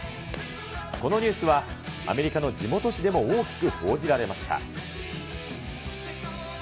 このニュースは、アメリカの地元紙でも大きく報じられました。